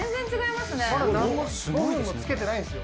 まだ何も、５分もつけてないんですよ。